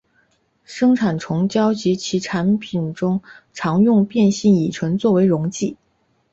生产虫胶及其产品中常用变性乙醇作为溶剂。